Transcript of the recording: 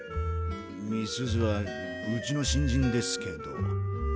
美鈴はうちの新人ですけど。